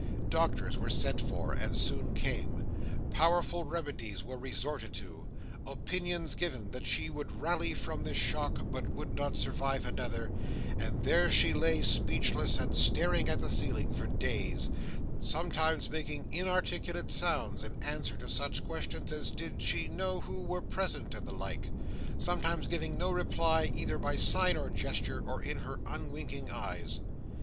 Doctors were sent for, and soon came. Powerful remedies were resorted to; opinions given that she would rally from this shock, but would not survive another; and there she lay speechless, and staring at the ceiling, for days; sometimes making inarticulate sounds in answer to such questions as did she know who were present, and the like: sometimes giving no reply either by sign or gesture, or in her unwinking eyes.